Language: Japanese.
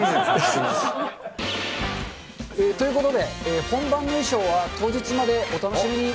ごめんなさい。ということで、本番の衣装は当日までお楽しみに。